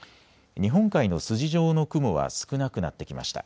日本海の筋状の雲は少なくなってきました。